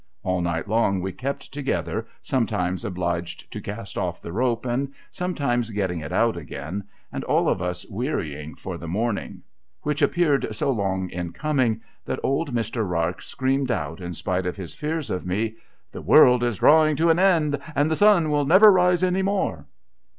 All night long we kept together, sometimes obliged to oist off the rope, and some times getting it out again, and all of us wearying for the morning— which appeared so long in coming that old Mr. Rarx screamed out, in spite of his fears of me, ' The world is drawing to an end, and the sun will never rise any more